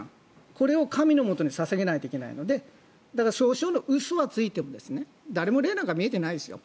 これを神のもとに捧げないといけないのでだから少々の嘘はついても誰も霊なんか見えてないですよ。